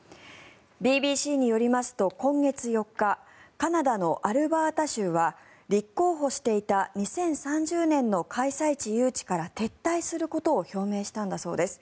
ＢＢＣによりますと今月４日カナダのアルバータ州は立候補していた２０３０年の開催地誘致から撤退することを表明したんだそうです。